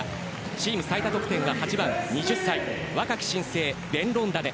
チーム最多得点は８番、２０歳の若き新星ベンロンダネ。